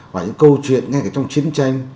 và những câu chuyện ngay cả trong chiến tranh